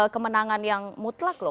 kemenangan yang mutlak loh